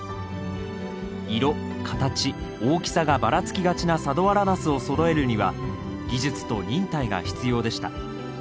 色形大きさがバラつきがちな佐土原ナスをそろえるには技術と忍耐が必要でした。